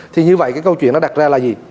thì như vậy cái câu chuyện nó đặt ra là gì